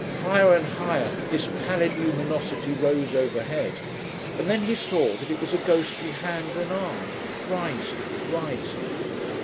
Higher and higher this pallid luminosity rose overhead, and then he saw that it was a ghostly hand and arm, rising, rising.